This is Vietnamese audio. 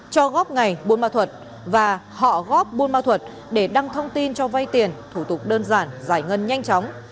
cho góp ngày bôn ma thuật và họ góp bôn ma thuật để đăng thông tin cho vay tiền thủ tục đơn giản giải ngân nhanh chóng